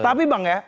tapi bang ya